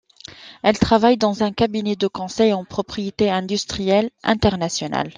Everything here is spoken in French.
Elle travaille dans un cabinet de conseil en propriété industrielle international.